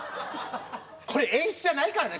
これ演出じゃないからね！